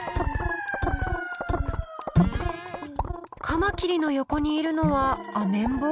カマキリの横にいるのはアメンボ？